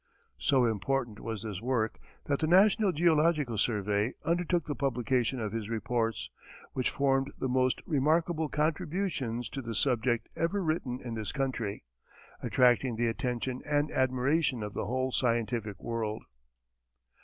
So important was this work that the national geological survey undertook the publication of his reports, which formed the most remarkable contributions to the subject ever written in this country, attracting the attention and admiration of the whole scientific world.